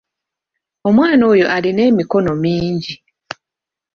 Omwana oyo alina emikano mingi.